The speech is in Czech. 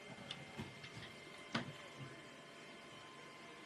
Zámecké zahrady prošly několika fázemi změn podle módních stylů té které doby.